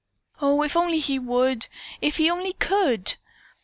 "Oh, if he only would! If he only could."